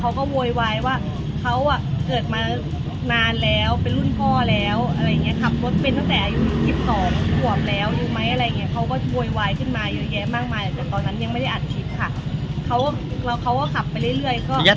เขาบอกว่าถ้าหนูอ่ะไม่หยุดถามว่าหนูเริ่มถ่ายคลิปเขาอ่ะ